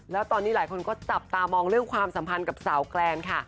แล้วตอนนี้หลายคนก็จับตามองเรื่องความสัมพันธ์กับสาวแกรนค่ะ